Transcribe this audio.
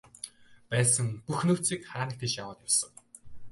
Байсан бүх нөөцийг хаа нэг тийш нь аваад явсан.